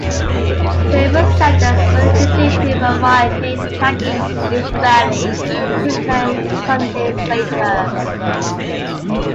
Several settlers were indicted for rioting and attacking Israeli policemen some days later.